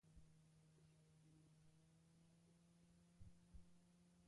Errusiako bi liga eta kopa bat irabazi ditu.